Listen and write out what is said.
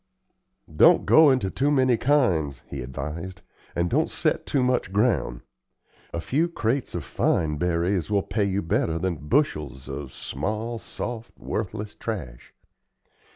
"Don't go into too many kinds," he advised, "and don't set too much ground. A few crates of fine berries will pay you better than bushels of small, soft, worthless trash.